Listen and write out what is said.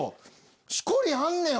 しこりあんねん！